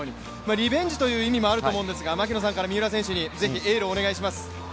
リベンジという意味もあると思うんですが、槙野さんから三浦選手にぜひエールをお願いします。